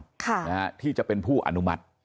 พอบ่อเรือนจำค่ะนะฮะที่จะเป็นผู้อนุมัติ